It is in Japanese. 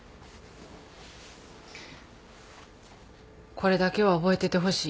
これだけは覚えててほしい。